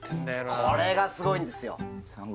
これがすごいんですよ